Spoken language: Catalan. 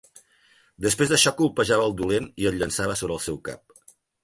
Després d'això colpejava el dolent i el llançava sobre el seu cap.